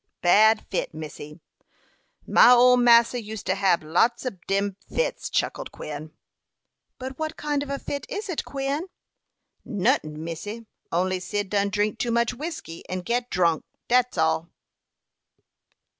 "Bad fit, missy; my ole massa use to hab lots ob dem fits," chuckled Quin. "But what kind of a fit is it, Quin?" "Notin, missy, only Cyd done drink too much whiskey, and get drunk dat's all."